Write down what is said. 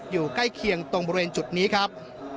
อยู่ใกล้เคียงตรงบริเวณจุดนี้ครับ